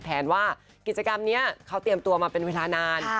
แผนว่ากิจกรรมนี้เขาเตรียมตัวมาเป็นเวลานาน